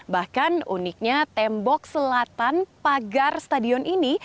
bahkan uniknya tembok selatan pagar stadion ini